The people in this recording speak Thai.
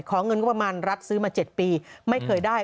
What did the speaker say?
เงินงบประมาณรัฐซื้อมา๗ปีไม่เคยได้